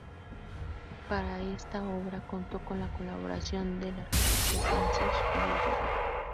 Para esta obra contó con la colaboración del arquitecto Francesc Folguera.